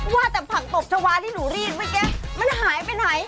ว่าแต่ผักตบชาวาที่หนูรีดเมื่อกี้มันหายไปไหน